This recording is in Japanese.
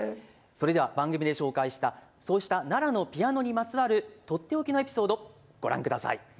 それでは番組で紹介した、そうした奈良のピアノにまつわる取って置きのエピソード、ご覧ください。